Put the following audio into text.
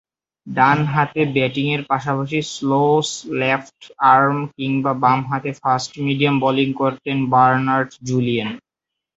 ডানহাতে ব্যাটিংয়ের পাশাপাশি স্লো লেফট-আর্ম কিংবা বামহাতে ফাস্ট-মিডিয়াম বোলিং করতেন বার্নার্ড জুলিয়েন।